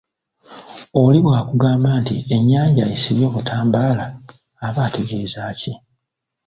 Oli bw’akugamba nti ennyanja esibye obutambaala aba ategeeza ki?